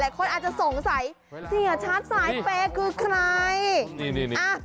หลายคนอาจจะสงสัยเสียชัดสายเปคือใคร